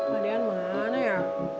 kadean mana ya